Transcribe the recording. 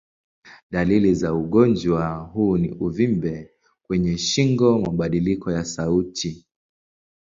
Dalili za ugonjwa huu ni uvimbe kwenye shingo, mabadiliko ya sauti.